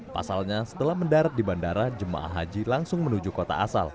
pasalnya setelah mendarat di bandara jemaah haji langsung menuju kota asal